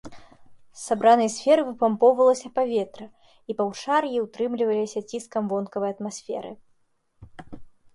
З сабранай сферы выпампоўвалася паветра, і паўшар'і ўтрымліваліся ціскам вонкавай атмасферы.